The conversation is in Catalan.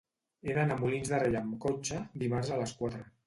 He d'anar a Molins de Rei amb cotxe dimarts a les quatre.